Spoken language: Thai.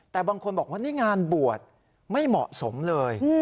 แต่บางคนบอกว่านี่งานบวชไม่เหมาะสมเลย